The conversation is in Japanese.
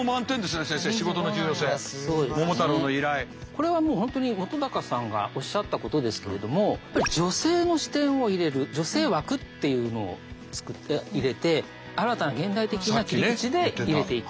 これはもう本当に本さんがおっしゃったことですけれども女性の視点を入れる「女性枠」っていうのを入れて新たな現代的な切り口で入れていく。